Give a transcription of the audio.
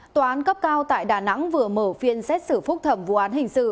tòa án cấp cao tại đà nẵng vừa mở phiên xét xử phúc thẩm vụ án hình sự